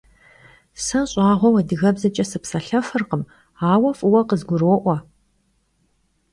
Se ş'ağueu adıgebzeç'e sıpselhefırkhım, aue f'ıue khızguro'ue.